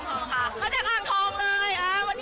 อ่ากืนทองค่ะ